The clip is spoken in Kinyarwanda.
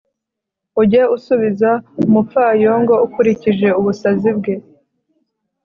ujye usubiza umupfayongo ukurikije ubusazi bwe